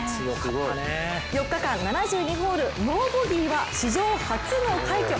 ４日間７２ホールノーボギーは史上初の快挙。